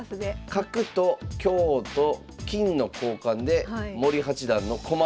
角と香と金の交換で森八段の駒損。